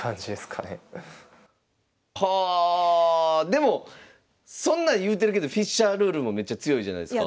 でもそんなん言うてるけどフィッシャールールもめちゃ強いじゃないすか。